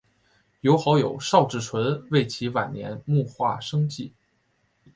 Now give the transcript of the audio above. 由好友邵志纯为其晚年摹划生计。